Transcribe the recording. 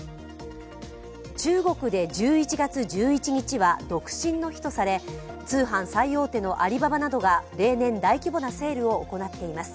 中国で１１月１１日は独身の日とされ、通販最大手のアリババなどが例年、大規模なセールを行っています。